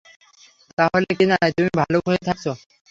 তাহলে কিনাই, তুমি ভালুক হয়েই থাকছো।